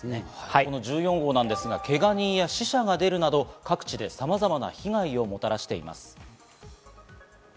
１４号ですが、けが人や死者が出るなど各地でさまざまな被害をもたらしています。